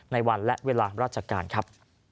ในวันและเวลาราชการครับ